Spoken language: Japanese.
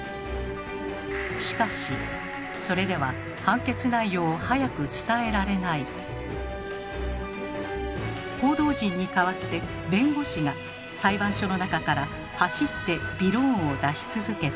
しかしそれでは報道陣に代わって弁護士が裁判所の中から走ってびろーんを出し続けた。